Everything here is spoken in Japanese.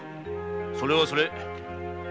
それはそれ。